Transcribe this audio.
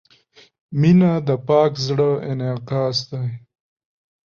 • مینه د پاک زړۀ انعکاس دی.